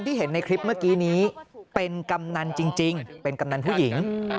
เห็นในคลิปเมื่อกี้นี้เป็นกำนันจริงเป็นกำนันผู้หญิง